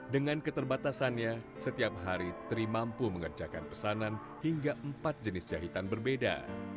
dengan keterbatasannya setiap hari tri mampu mengerjakan pesanan hingga empat jenis jahitan berbeda